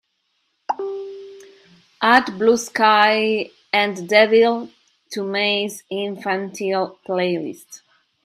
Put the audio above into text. Add Blue Sky and the Devil to mai's Infantil playlist.